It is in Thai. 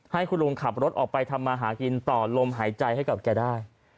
ให้คุณลุงขับรถออกไปทำมาหากินต่อลมหายใจให้กับแกได้